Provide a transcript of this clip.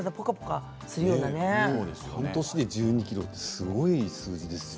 半年で１２ｋｇってすごい数字ですよね。